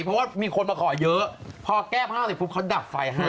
เพราะว่ามีคนมาขอเยอะพอแก้ผ้าเสร็จปุ๊บเขาดับไฟให้